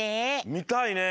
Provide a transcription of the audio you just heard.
みたいね。